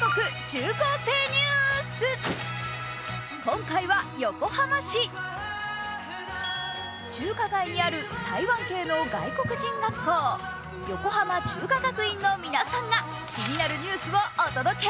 中華街にある台湾系の外国人学校、横濱中華學院の皆さんが気になるニュースをお届け。